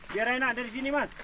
biar enak dari sini mas